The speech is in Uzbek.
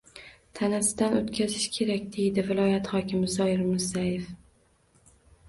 Tanasidan o‘tkazish kerak”, — deydi viloyat hokimi Zoir Mirzayev